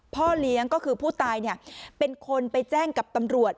พ่อเลี้ยงก็คือผู้ตายเป็นคนไปแจ้งกับตำรวจ